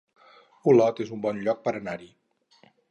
Olot es un bon lloc per anar-hi